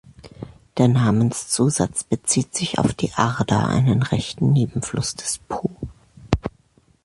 Der Namenszusatz bezieht sich auf die Arda, einen rechten Nebenfluss des Po.